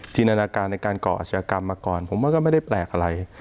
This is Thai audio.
นานาการในการก่ออาชญากรรมมาก่อนผมว่าก็ไม่ได้แปลกอะไร